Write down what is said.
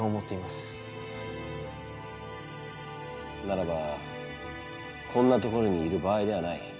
ならばこんな所にいる場合ではない。